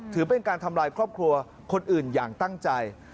ถือเป็นการทำลายครอบครัวคนอื่นอย่างตั้งใจ